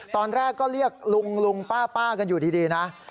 ตอนแรกก็เรียกลุงลุงป้ากันอยู่ดีนะ